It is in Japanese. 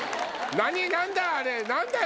何だよ！